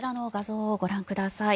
こちらの画像をご覧ください。